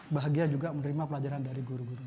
bahagia juga menerima pelajaran dari guru guru